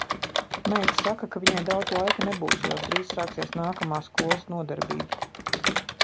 Meita saka, ka viņai daudz laika nebūs, jo drīz sāksies nākamā skolas nodarbība.